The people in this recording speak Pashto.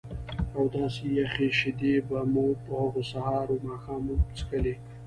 او داسې یخې شیدې به مې په هغو سهار و ماښام څښلې.